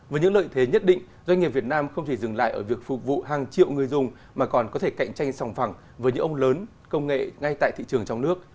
với những lợi thế nhất định doanh nghiệp việt nam không chỉ dừng lại ở việc phục vụ hàng triệu người dùng mà còn có thể cạnh tranh sòng phẳng với những ông lớn công nghệ ngay tại thị trường trong nước